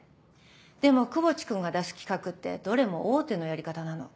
でも窪地君が出す企画ってどれも大手のやり方なの。